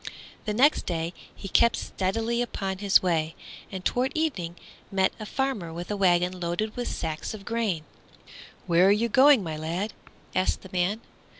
The next day he kept steadily upon his way, and toward evening met a farmer with a wagon loaded with sacks of grain. "Where are you going, my lad?" asked the man.